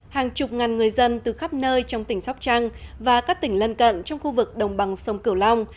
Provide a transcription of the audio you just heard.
hàng chục ngàn người dân từ khắp nơi trong tỉnh sóc trăng và các tỉnh lân cận trong khu vực đồng bằng sông cửu long